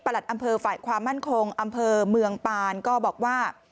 อำเภอฝ่ายความมั่นคงอำเภอเมืองปานก็บอกว่า